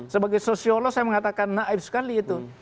sebagai sosiolog saya mengatakan naif sekali itu